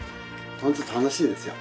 本当楽しいですよ。